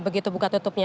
begitu buka tutupnya